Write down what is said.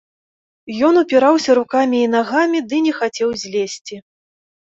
Ён упіраўся рукамі і нагамі ды не хацеў злезці.